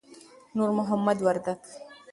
نور محمد وردک